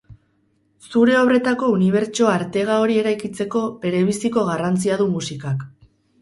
Zure obretako unibertso artega hori eraikitzeko, berebiziko garrantzia du musikak.